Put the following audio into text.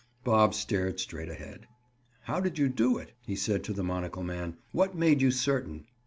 Bob stared straight ahead. "How did you do it?" he said to the monocle man. "What made you certain?"